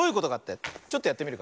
ちょっとやってみるからね。